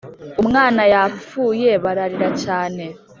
Umwana yapfuye bararira cyane.